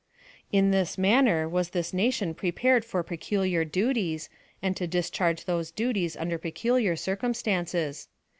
In this manner was this nation prepared for pecu liar duties, and to discharge those duties under peculiar circumstances.